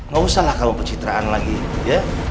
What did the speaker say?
gak usahlah kamu pencitraan lagi ya